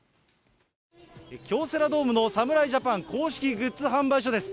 京セラドームの侍ジャパン公式グッズ販売所です。